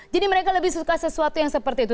jadi mereka lebih suka sesuatu yang seperti itu